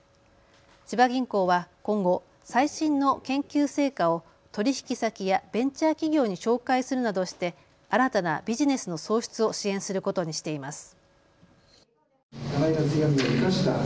千葉銀行は今後、最新の研究成果を取引先やベンチャー企業に紹介するなどして新たなビジネスの創出を支援することにしています。